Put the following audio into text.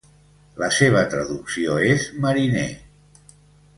La seva traducció és "mariner".